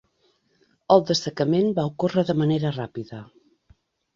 El dessecament va ocórrer de manera ràpida.